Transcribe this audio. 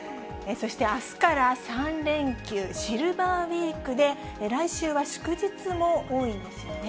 そして、あすから３連休、シルバーウィークで、来週は祝日も多いですよね。